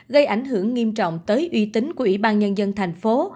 gây ảnh hưởng nghiêm trọng tới uy tín của ủy ban nhân dân thành phố